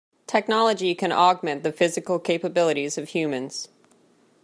Technology can augment the physical capabilities of humans.